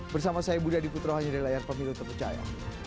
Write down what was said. bersama saya budi adiputrohani dari layar pemilu terpercaya